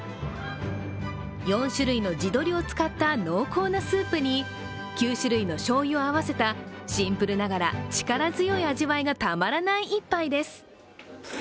４種類の地鶏を使った濃厚なスープに９種類のしょうゆを合わせたシンプルながら力強い味わいがたまらない一杯です。